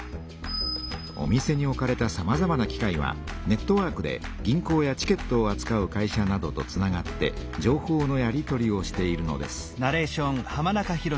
お店に置かれたさまざまな機械はネットワークで銀行やチケットをあつかう会社などとつながって情報のやり取りをしているのです。